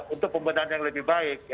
untuk pembinaan yang lebih baik